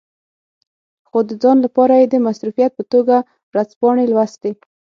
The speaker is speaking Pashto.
خو د ځان لپاره یې د مصروفیت په توګه ورځپاڼې لوستې.